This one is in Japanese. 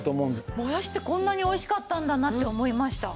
もやしってこんなにおいしかったんだなって思いました。